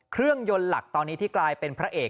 เครื่องยนต์หลักตอนนี้ที่กลายเป็นพระเอก